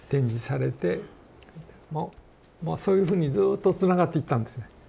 まあそういうふうにずっとつながっていったんですね。